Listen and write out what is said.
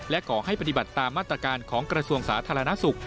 และขอให้ปฏิบัติตามมาตรการของกระทรวงสาธารณสุข